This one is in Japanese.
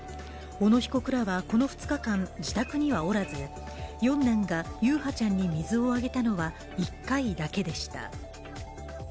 小野被告らはこの２日間自宅にはおらず四男が優陽ちゃんに水をあげたのは１回だけでした。